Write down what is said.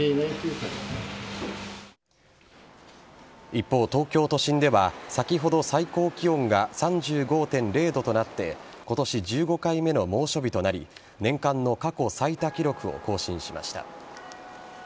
一方、東京都心では先ほど最高気温が３５．０度となって今年１５回目の猛暑日となり年間の過去最多記録を更新しました。